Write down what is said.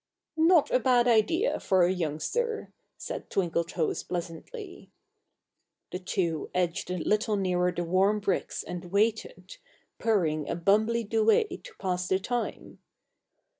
"Not a bad idea, for a youngster," said Twinkletoes pleasantly. The two edged a little nearer the warm bricks and waited, purring a bumble y duet to pass the time.